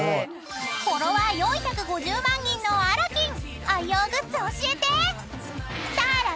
［フォロワー４５０万人のあらきん愛用グッズ教えて！］